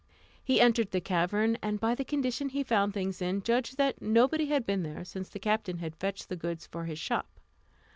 He entered the cavern, and by the condition he found things in, judged that nobody had been there since the captain had fetched the goods for his shop.